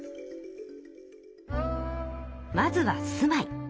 まずは住まい。